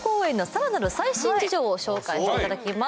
さらなる最新事情を紹介していただきます